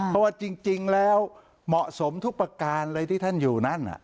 เพราะว่าจริงแล้วเหมาะสมทุกประการเลยที่ท่านอยู่นั่น